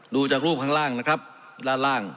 ดูจากรูปข้างล่างนะครับด้านล่าง